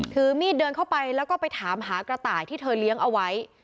ถือมีดเดินเข้าไปแล้วก็ไปถามหากระต่ายที่เธอเลี้ยงเอาไว้